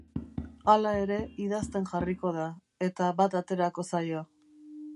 Hala ere, idazten jarriko da, eta bat aterako zaio.